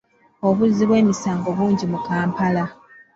Obuzzi bw'emisango bungi mu Kampala.